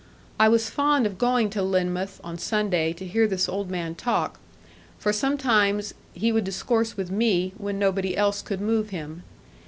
I was fond of going to Lynmouth on Sunday to hear this old man talk, for sometimes he would discourse with me, when nobody else could move him.